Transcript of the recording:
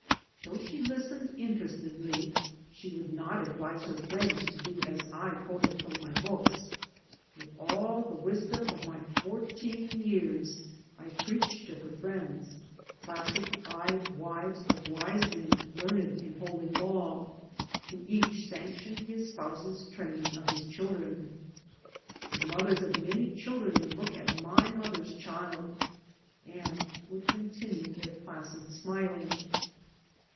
Though she listened inter estedly, she would not advise her friends to do as I quoted from my books. With all the wisdom of my fourteen years I preached to her friends, placid eyed wives of wise men learned in Holy Law, who each sanctioned his spouse's training of his children. .The mothers of many children would look at my mother's child, — and would continue their placid smiling.